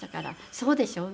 そうでしょう？